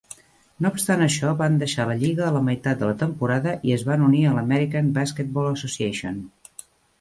No obstant això, van deixar la lliga a la meitat de la temporada i es van unir a l'American Basketball Association.